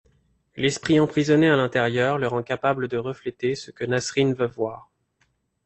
L'esprit emprisonné à l'intérieur le rend capable de refléter ce que Nasrin veut voir.